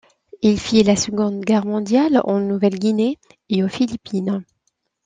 Il fit la Seconde Guerre mondiale en Nouvelle-Guinée et aux Philippines.